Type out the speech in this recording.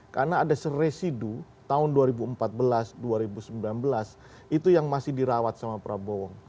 karena ada seresidu tahun dua ribu empat belas dua ribu sembilan belas itu yang masih dirawat sama prabowo